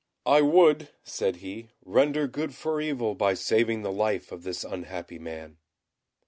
"I would," said he, "render good for evil by saving the life of this unhappy man."